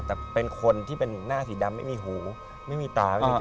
แต่เป็นคนที่เป็นหน้าสีดำไม่มีหูไม่มีตาไม่มี